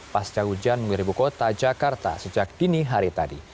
pasca ujian menggeri buku kota jakarta sejak dini hari tadi